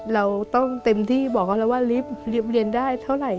เราต้องเต็มที่บอกเขาแล้วว่าลิฟต์เรียนได้เท่าไหร่